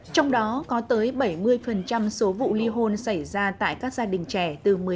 trong đó có tới bảy mươi số vụ ly hôn xảy ra tại các gia đình trẻ từ một mươi tám đến ba mươi tuổi